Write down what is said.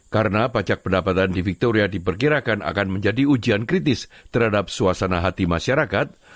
karena pajak pendapatan di victoria diperkirakan akan menjadi ujian kritis terhadap suasana hati masyarakat